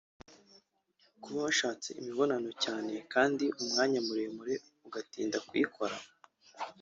Kuba washatse imbonano cyane kandi umwanya muremure (ugatinda kuyikora)